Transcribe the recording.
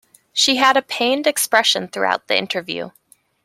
She had a pained expression throughout the interview.